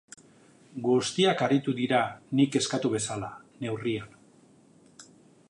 Guztiak aritu dira nik eskatu bezala, neurrian.